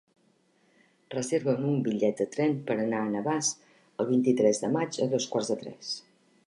Reserva'm un bitllet de tren per anar a Navàs el vint-i-tres de maig a dos quarts de tres.